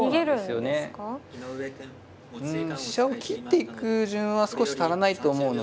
うん飛車を切っていく順は少し足らないと思うので。